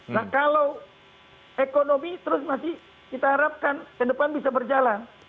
nah kalau ekonomi terus masih kita harapkan ke depan bisa berjalan